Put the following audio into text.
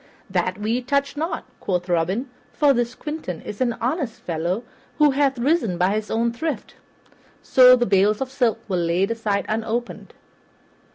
"That we touch not," quoth Robin, "for this Quentin is an honest fellow, who hath risen by his own thrift." So the bales of silk were laid aside unopened.